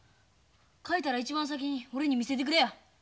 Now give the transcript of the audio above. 描いたら一番先に俺に見せてくれよ。